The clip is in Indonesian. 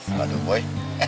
apa tuh boe